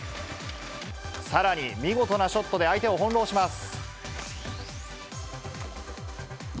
さらに、見事なショットで相手を翻弄します。